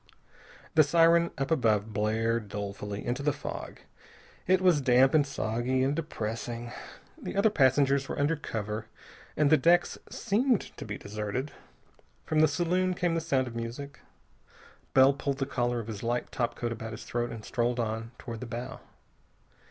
The siren up above blared dolefully into the fog. It was damp, and soggy, and depressing. The other passengers were under cover, and the decks seemed to be deserted. From the saloon came the sound of music. Bell pulled the collar of his light topcoat about his throat and strolled on toward the bow.